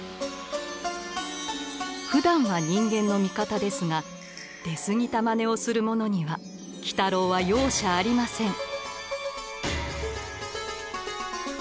ふだんは人間の味方ですが出過ぎたまねをする者には鬼太郎は容赦ありません。